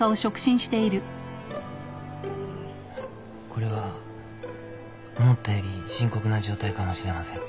これは思ったより深刻な状態かもしれません。